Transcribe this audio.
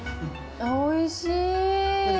おいしい。